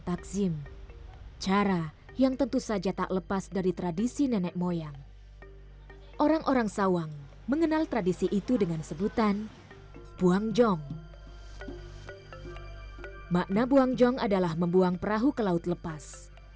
makna buangjong adalah membuang perahu ke laut lepas